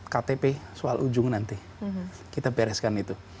ktp soal ujung nanti kita bereskan itu